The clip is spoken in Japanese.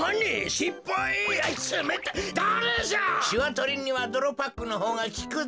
しわとりにはどろパックのほうがきくぞ！